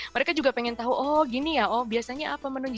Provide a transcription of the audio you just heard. mereka juga pengen tahu oh gini ya oh biasanya apa menunya